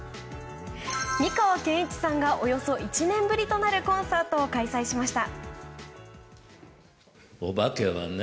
美川憲一さんがおよそ１年ぶりとなるコンサートを開催しました。